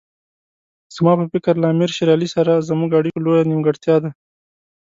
زما په فکر له امیر شېر علي سره زموږ اړیکو لویه نیمګړتیا ده.